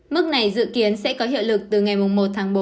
mức này dự kiến sẽ có hiệu lực từ ngày một tháng bốn